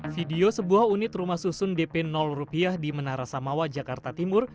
video sebuah unit rumah susun dp rupiah di menara samawa jakarta timur